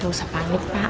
gak usah panggil pak